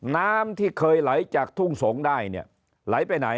น้ำที่เคยไหลจากทุ่งสงศ์ได้เนี่ยไหลไปไหน